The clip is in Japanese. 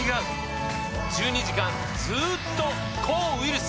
１２時間ずっと抗ウイルス！